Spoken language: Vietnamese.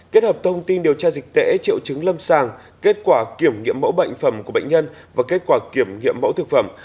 kết hợp thông tin điều tra dịch tễ triệu chứng lâm sàng kết quả kiểm nghiệm mẫu bệnh phẩm của bệnh nhân và kết quả kiểm nghiệm mẫu thực phẩm